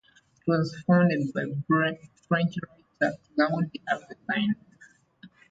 It was founded by French writer Claude Aveline.